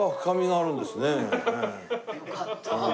よかった。